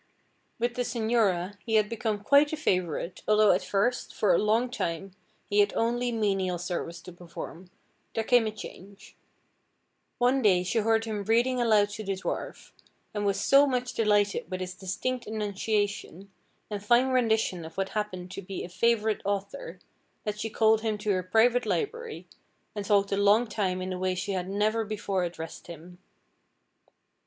With the señora he had become quite a favorite, although at first, for a long time, he had only menial service to perform, there came a change. One day she heard him reading aloud to the dwarf, and was so much delighted with his distinct enunciation, and fine rendition of what happened to be a favorite author, that she called him to her private library, and talked a long time in a way she had never before addressed him.